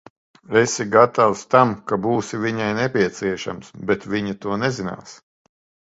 Esi gatavs tam, ka būsi viņai nepieciešams, bet viņa to nezinās.